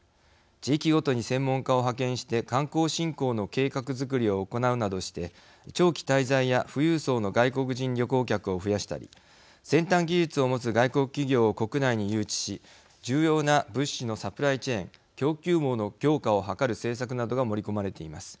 地域ごとに専門家を派遣して観光振興の計画づくりを行なうなどして、長期滞在や富裕層の外国人旅行客を増やしたり、先端技術を持つ外国企業を国内に誘致し重要な物資のサプライチェーン＝供給網の強化を図る政策などが盛り込まれています。